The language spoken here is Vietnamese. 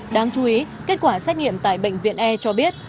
đáng chú ý kết quả xét nghiệm tại bệnh viện e cho biết